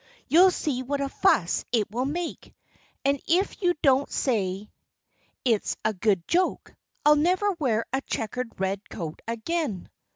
You'll see what a fuss it will make. And if you don't say it's a good joke, I'll never wear a checkered red coat again."